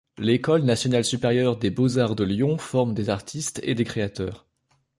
L’École nationale supérieure des beaux-arts de Lyon forme des artistes et des créateurs.